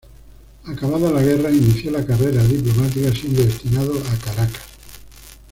Acabada la guerra, inició la carrera diplomática, siendo destinado a Caracas.